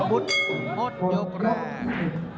บุ๊ดหมดยกแรก